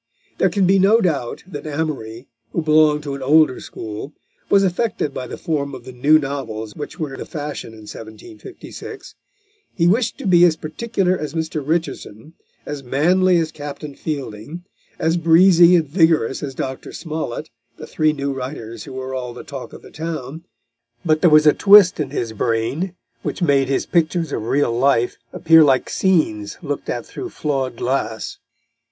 There can be no doubt that Amory, who belonged to an older school, was affected by the form of the new novels which were the fashion in 1756. He wished to be as particular as Mr. Richardson, as manly as Captain Fielding, as breezy and vigorous as Dr. Smollett, the three new writers who were all the talk of the town. But there was a twist in his brain which made his pictures of real life appear like scenes looked at through flawed glass.